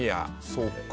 そうか。